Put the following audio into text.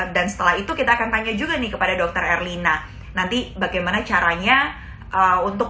dan setelah itu kita akan tanya juga nih kepada dokter erlina nanti bagaimana caranya untuk